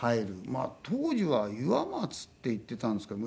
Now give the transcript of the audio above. あ当時は岩松って言っていたんですけども。